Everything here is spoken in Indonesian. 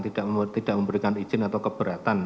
tidak memberikan izin atau keberatan